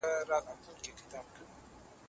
تاریخي شخصیتونه په ټولنه کي ډېر مینه وال لري.